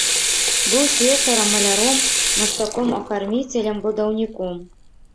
Быў слесарам, маляром, мастаком-афарміцелем, будаўніком.